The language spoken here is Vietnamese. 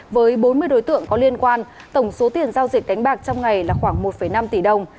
với bốn mươi đối tượng có liên quan tổng số tiền giao dịch đánh bạc trong ngày là khoảng một năm tỷ đồng